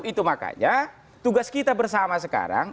itu makanya tugas kita bersama sekarang